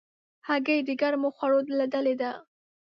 هګۍ د ګرمو خوړو له ډلې ده.